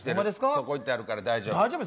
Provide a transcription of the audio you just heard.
そこ行ったら、あるから大丈夫。